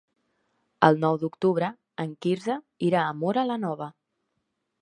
El nou d'octubre en Quirze irà a Móra la Nova.